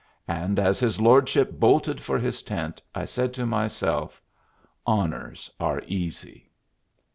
And as his lordship bolted for his tent, I said to myself, "Honors are easy."